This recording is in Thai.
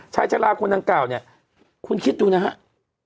ชายชาลาคนนั้นเก่าเนี่ยคุณคิดดูนะครับ